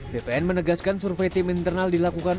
bpn menegaskan survei tim internal dilakukan